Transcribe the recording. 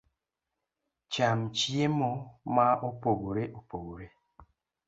Cham chiemo ma opogore opogore